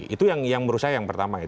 itu yang menurut saya yang pertama